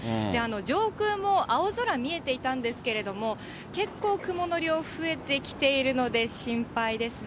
上空も青空見えていたんですけれども、結構雲の量増えてきているので、心配ですね。